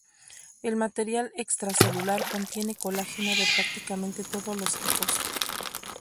El material extracelular contiene colágeno de prácticamente todos los tipos.